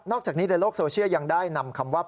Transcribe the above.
จากนี้ในโลกโซเชียลยังได้นำคำว่า